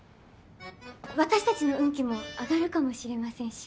私たちの運気も上がるかもしれませんし。